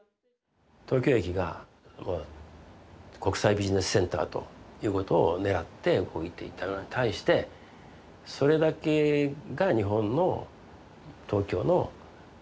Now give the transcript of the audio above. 東京駅が国際ビジネスセンターということをねらって動いていたのに対してそれだけが日本の東京の魅力ではないはずだと。